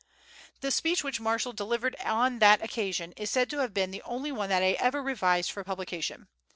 The speech which Marshall delivered on that occasion is said to have been the only one that he ever revised for publication.